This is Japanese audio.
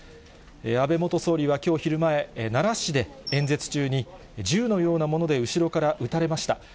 安倍元総理はきょう昼前、奈良市で演説中に、銃のようなもので後ろから撃たれました。